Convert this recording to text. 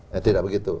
ya tidak begitu